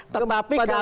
terpapi kalau ada akta